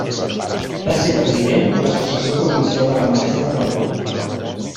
Va ser president l’Associació Provincial de Ramaders de Tarragona.